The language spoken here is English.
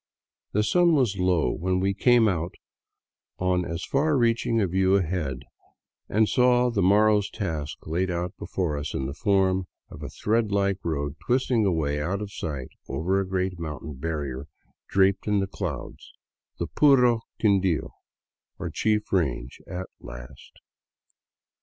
The sun was low when we came out on as far reaching a view ahead and saw the morrow's task laid out before us in the form of a thread like road twisting away out of sight over a great mountain barrier draped in clouds, the " puro Quindio," or chief range, at last.